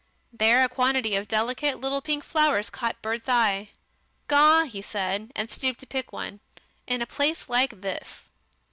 There a quantity of delicate little pink flowers caught Bert's eye. "Gaw!" he said, and stooped to pick one. "In a place like this."